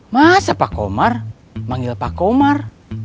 masa pak omar manggil pak omar